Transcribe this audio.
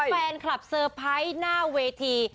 แฟนคลับเซอร์ไพรส์หน้าเวที